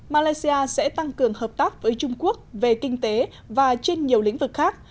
malaysia sẽ tăng cường hợp tác với trung quốc về kinh tế và trên nhiều lĩnh vực khác